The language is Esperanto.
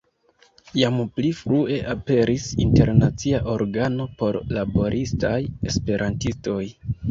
Jam pli frue aperis internacia organo por laboristaj Esperantistoj.